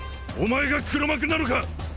お前が黒幕なのか！？